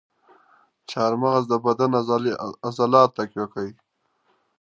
چارمغز د بدن عضلات تقویه کوي.